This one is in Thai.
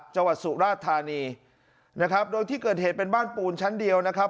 สุราชธานีนะครับโดยที่เกิดเหตุเป็นบ้านปูนชั้นเดียวนะครับ